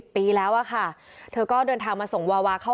พี่น้องวาวาหรือว่าน้องวาวาหรือ